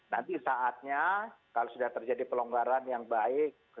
nanti saatnya kalau sudah terjadi pelonggaran yang baik